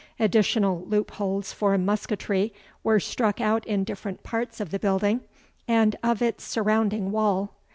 Additional loop holes for musketry were struck out in different parts of the building, and of its surrounding wall.